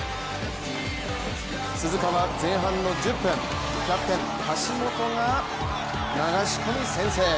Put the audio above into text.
鈴鹿は前半の１０分キャプテン・橋本が流し込み先制。